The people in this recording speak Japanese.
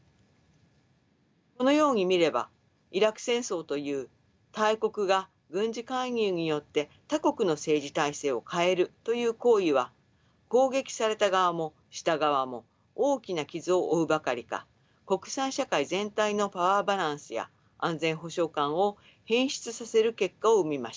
このように見ればイラク戦争という大国が軍事介入によって他国の政治体制を変えるという行為は攻撃された側もした側も大きな傷を負うばかりか国際社会全体のパワーバランスや安全保障観を変質させる結果を生みました。